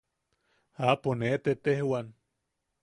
Aapo ne tetejwan.